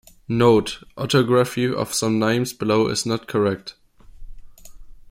Note: Orthography of some names below is not correct.